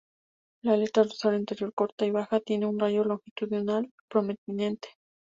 La aleta dorsal anterior corta y baja, tiene un rayo longitudinal prominente.